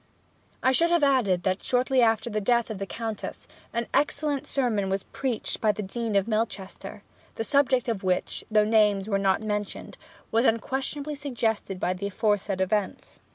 I should have added that, shortly after the death of the Countess, an excellent sermon was preached by the Dean of Melchester, the subject of which, though names were not mentioned, was unquestionably suggested by the aforesaid events.